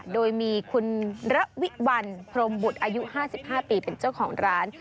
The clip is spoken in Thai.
โดยมีคุณระวิวัลพรมบุตรอายุ๕๕ปีเป็นเจ้าของร้าน